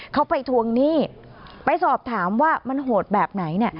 เขาไปทวงหนี้ไปสอบถามว่ามันโหดแบบไหนเนี่ย